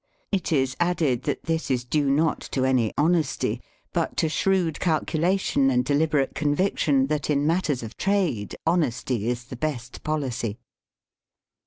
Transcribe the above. It is added that this is due not to any honesty, but to shrewd calculation and deliberate conviction, that in matters of trade honesty is the best policy.